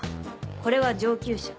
これは上級者